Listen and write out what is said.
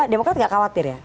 demokrat tidak khawatir ya